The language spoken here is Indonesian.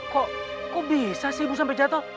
kok bisa sih ibu sampai jatuh